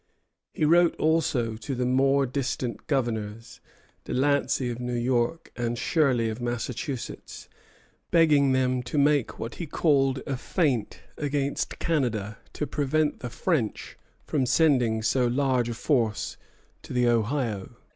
He wrote also to the more distant governors, Delancey of New York, and Shirley of Massachusetts, begging them to make what he called a "faint" against Canada, to prevent the French from sending so large a force to the Ohio.